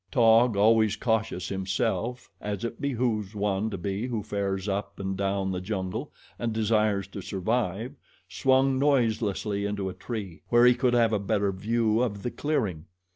Taug, always cautious himself, as it behooves one to be who fares up and down the jungle and desires to survive, swung noiselessly into a tree, where he could have a better view of the clearing.